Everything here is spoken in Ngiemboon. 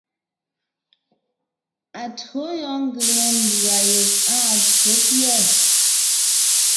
Atÿǒ yɔɔn ngʉ̀ŋe mbʉ̀a yeg áa tÿǒ pîɛ.